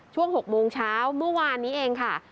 ช่วง๖โมงเช้าเมื่อวานนี้เองค่ะ